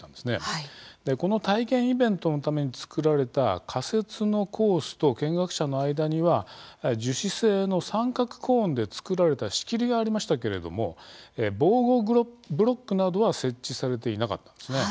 この体験イベントのためにつくられた仮設のコースと見学者の間には樹脂製の三角コーンでつくられた仕切りがありましたけれども防護ブロックなどは設置されていなかったんです。